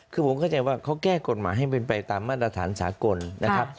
คือผมเข้าใจว่าเขาแก้กฎหมายให้เป็นไปตามมาตรฐานสากลนะครับ